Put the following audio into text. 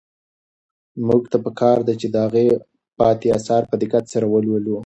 موږ ته په کار ده چې د هغه پاتې اثار په دقت سره ولولو.